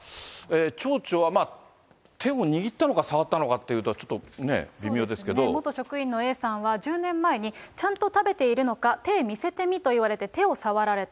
町長は手を握ったのか、触ったのかというと、ちょっとね、元職員のＡさんは、１０年前にちゃんと食べているのか、手見せてみと言われて、手を触られた。